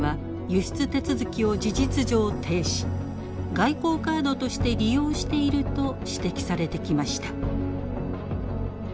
外交カードとして利用していると指摘されてきました。